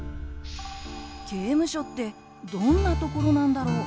刑務所ってどんなところなんだろう？